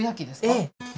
ええ。